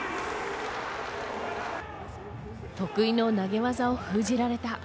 得意の投げ技を封じられた。